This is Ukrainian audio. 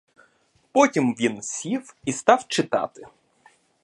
Потім він сів і став читати.